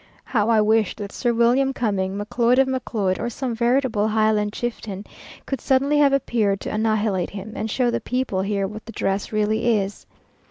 How I wished that Sir William Cumming, Macleod of Macleod, or some veritable Highland chieftain could suddenly have appeared to annihilate him, and show the people here what the dress really is!